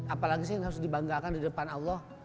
apalagi sih yang harus dibanggakan di depan allah